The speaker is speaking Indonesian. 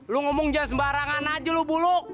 lu ngomongnya sembarangan aja lu bulu